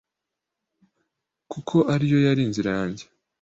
kuko ariyo yari inzira yanjye.